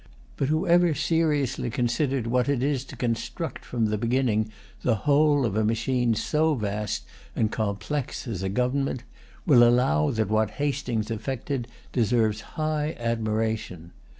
But whoever seriously considers what it is to construct from the beginning the whole of a machine so vast and complex as a government will allow that what Hastings effected deserves high admiration.